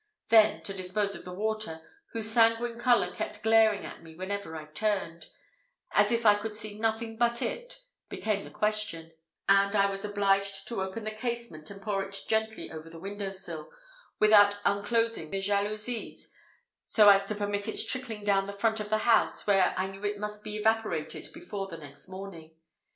Then to dispose of the water, whose sanguine colour kept glaring in my eye wherever I turned, as if I could see nothing but it, became the question; and I was obliged to open the casement, and pour it gently over the window sill, without unclosing the jalousies, so as to permit its trickling down the front of the house, where I knew it must be evaporated before the next morning.